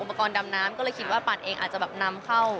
อุปกรณ์ดำน้ำก็เลยคิดว่าผ่านเองอาจจะแบบนำเข้า